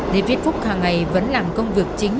lê viết phúc hàng ngày vẫn làm công việc chính